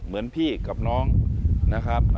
เหมือนพี่กับน้องนะครับ